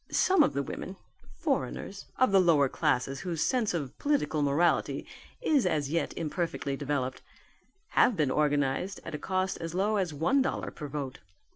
Some of the women foreigners of the lower classes whose sense of political morality is as yet imperfectly developed have been organized at a cost as low as one dollar per vote.